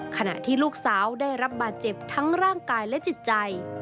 ขณะที่ลูกสาวได้รับบาดเจ็บทั้งร่างกายและจิตใจ